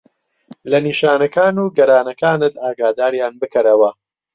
لە نیشانەکان و گەرانەکانت ئاگاداریان بکەرەوە.